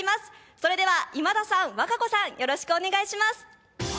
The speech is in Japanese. それでは今田さん、和歌子さんよろしくお願いします。